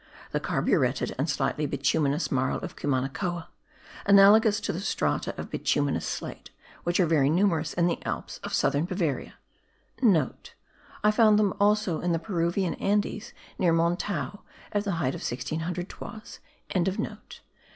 The carburetted and slightly bituminous marl of Cumanacoa, analogous to the strata of bituminous slate, which are very numerous* in the Alps of southern Bavaria (* I found them also in the Peruvian Andes near Montau, at the height of 1600 toises.)